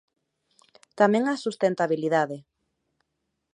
Tamén a sustentabilidade.